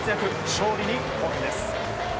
勝利に貢献です。